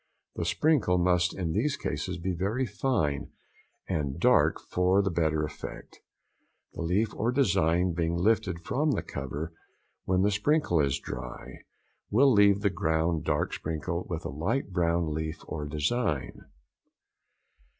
The sprinkle must in these cases be very fine and dark for the better effect. The leaf or design being lifted from the cover when the sprinkle is dry, will leave the ground dark sprinkle with a light brown leaf or design.